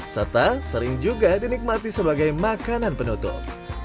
serta sering juga dinikmati sebagai makanan penutup